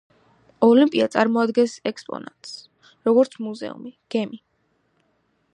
ოლიმპია წარმოადგენს ექსპონატს, როგორც მუზეუმი–გემი.